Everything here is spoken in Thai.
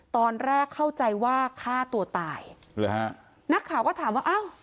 ตอนแรกเข้าใจว่าฆ่าตัวตายหรือฮะนักข่าวก็ถามว่าอ้าว